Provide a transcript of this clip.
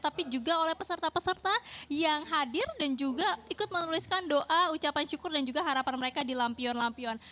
tapi juga oleh peserta peserta yang hadir dan juga ikut menuliskan doa ucapan syukur dan juga harapan mereka di lampion lampion